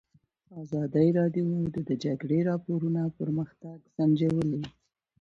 ازادي راډیو د د جګړې راپورونه پرمختګ سنجولی.